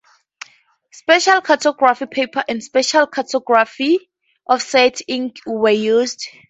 Special cartographic paper and special cartographic offset ink were used.